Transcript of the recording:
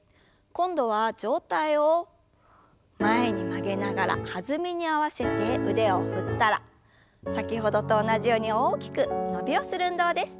今度は上体を前に曲げながら弾みに合わせて腕を振ったら先ほどと同じように大きく伸びをする運動です。